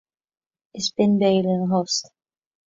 Is binn béal ina thost